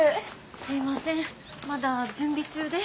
すいませんまだ準備中で。